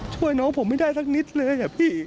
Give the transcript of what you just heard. ช่วยน้องผมไม่ได้สักนิดเลยอะพี่